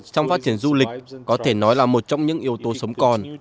trong phát triển du lịch có thể nói là một trong những yếu tố sống còn